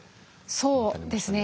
そうですね。